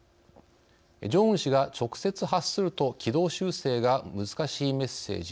ジョンウン氏が直接発すると軌道修正が難しいメッセージ